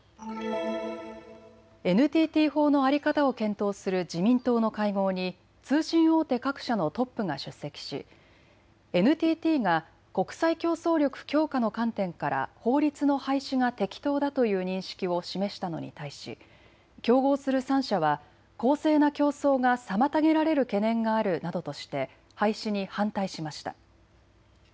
ＮＴＴ法の在り方を検討する自民党の会合に通信大手各社のトップが出席し、ＮＴＴが国際競争力強化の観点から法律の廃止が適当だという認識を示したのに対し競合する３社は公正な競争が妨げられる懸念があるなどとして廃止に反対しました。